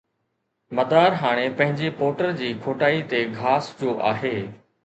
مدار هاڻي منهنجي پورٽر جي کوٽائي تي گھاس جو آهي